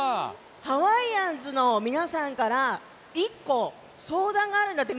ハワイアンズの皆さんから１個、相談があるんだって